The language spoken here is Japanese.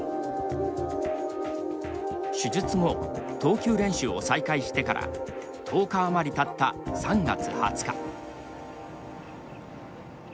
手術後投球練習を再開してから１０日余りたった３月２０日。